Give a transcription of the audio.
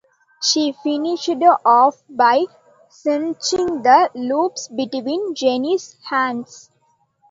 She finished off by cinching the loops between Jenny's hands.